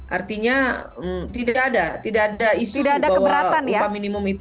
artinya tidak ada tidak ada isu bahwa upah minimum itu